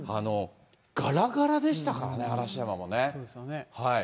がらがらでしたからね、嵐山はね。